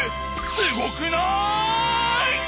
すごくない！？